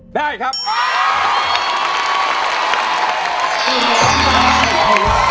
ได้ครับ